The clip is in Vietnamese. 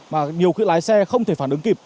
mà nhiều khi lái xe không thể phản ứng kịp